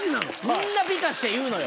みんな美化して言うのよ。